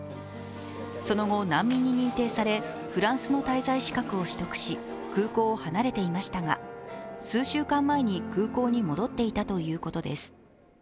その後、難民に認定され、フランスの滞在資格を取得し空港を離れていましたが、数週間前に空港に戻っていたということです。